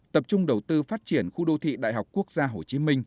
tập trung đầu tư phát triển khu đô thị đại học quốc gia tp hcm